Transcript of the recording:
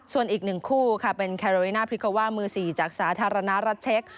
ส่วนอีกหนึ่งคู่ค่ะเป็นแคโรเลน่าพริโกว่ามือสี่จากสาธารณรัชเช็ก